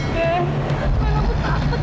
ben ben aku takut ben